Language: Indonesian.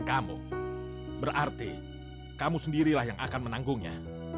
sampai jumpa di video selanjutnya